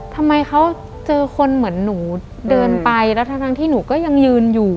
ทำไมเขาเจอคนเหมือนหนูเดินไปแล้วทั้งที่หนูก็ยังยืนอยู่